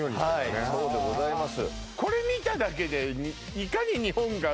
はいそうでございます